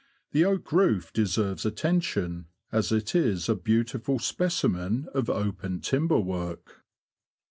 The oak roof deserves attention, as it is a beautiful specimen of open timber work.